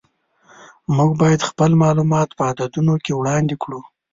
موږ باید خپل معلومات په عددونو کې وړاندې کړو.